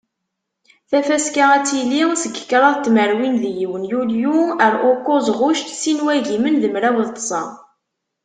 Tafaska ad tili seg kraḍ n tmerwin d yiwen yulyu ar ukuẓ ɣuct sin n wagimen d mraw d tẓa.